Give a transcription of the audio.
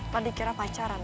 tadi kira pacaran